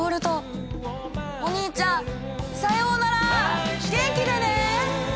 お兄ちゃんさようなら元気でね！